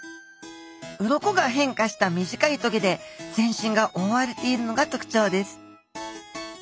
鱗が変化した短い棘で全身が覆われているのが特徴です。